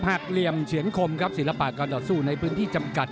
เหลี่ยมเฉือนคมครับศิลปะการต่อสู้ในพื้นที่จำกัด